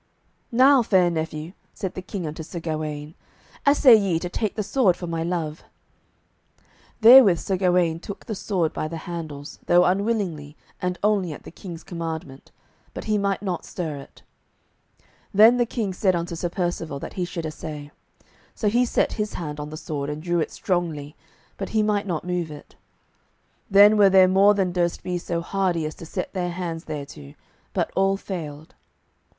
"Now, fair nephew," said the King unto Sir Gawaine, "assay ye to take the sword for my love." Therewith Sir Gawaine took the sword by the handles, though unwillingly and only at the King's commandment, but he might not stir it. Then the King said unto Sir Percivale that he should assay. So he set his hand on the sword and drew it strongly, but he might not move it. Then were there more that durst be so hardy as to set their hands thereto, but all failed.